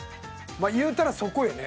いうたらそこよね。